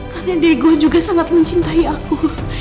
karena diego juga sangat mencintai aku